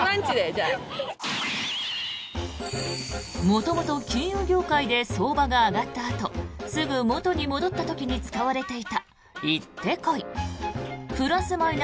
元々、金融業界で相場が上がったあとすぐ元に戻った時に使われていたイッテコイ。